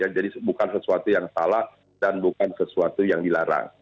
jadi bukan sesuatu yang salah dan bukan sesuatu yang dilarang